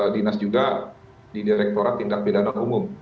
dinas juga di direkturat tindak pedana umum